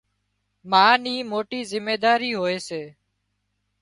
ما ني موٽي زميواري هوئي سي